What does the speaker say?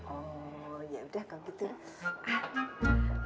oh ya udah kalau gitu